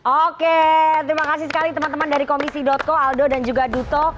oke terima kasih sekali teman teman dari komisi co aldo dan juga duto